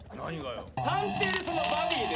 探偵でそのバディでしょ？